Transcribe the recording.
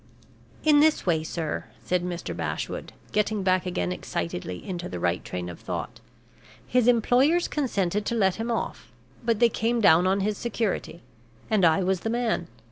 "In this way, sir," said Mr. Bashwood, getting back again excitedly into the right train of thought. "His employers consented to let him off; but they came down on his security; and I was the man.